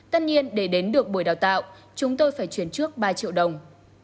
tất nhiên để đến được buổi đào tạo chúng tôi phải chuyển trước ba triệu đồng